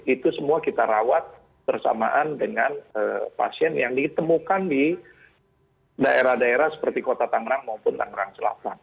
itu semua kita rawat bersamaan dengan pasien yang ditemukan di daerah daerah seperti kota tangerang maupun tangerang selatan